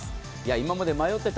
今まで迷っていた。